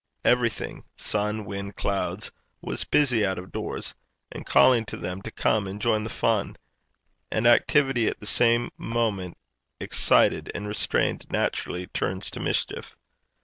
Everything sun, wind, clouds was busy out of doors, and calling to them to come and join the fun; and activity at the same moment excited and restrained naturally turns to mischief.